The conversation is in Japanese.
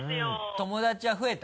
友達は増えた？